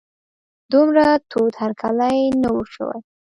دومره تود هرکلی نه و شوی.